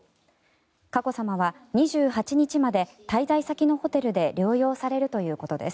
佳子さまは２８日まで滞在先のホテルで療養されるということです。